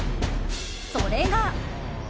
それが。